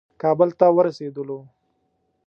کابل ته ورسېدلو.